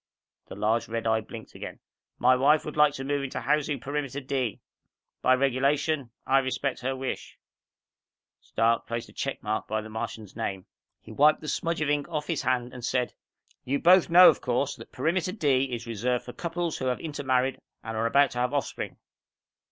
The large red eye blinked again. "My wife would like to move into Housing Perimeter D. By regulation, I respect her wish." Stark placed a check mark by the Martian's name. He wiped the smudge of ink off his hand and said, "You both know, of course, that Perimeter D is reserved for couples who have intermarried and are about to have offspring?"